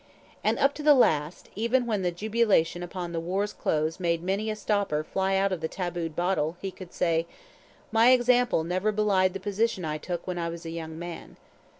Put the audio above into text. And up to the last, even when the jubilation upon the war's close made many a stopper fly out of the tabooed bottle, he could say: "My example never belied the position I took when I was a young man."